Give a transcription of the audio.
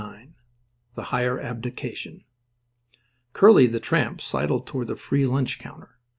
_ IX THE HIGHER ABDICATION Curly the tramp sidled toward the free lunch counter.